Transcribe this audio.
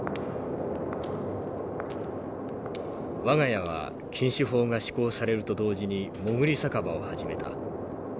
「我が家は禁酒法が施行されると同時にもぐり酒場を始めた。